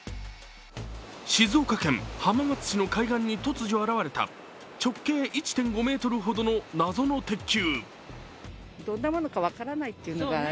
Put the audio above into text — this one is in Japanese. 静岡県浜松市の海岸に突如現れた直径１．５ｍほどの謎の鉄球。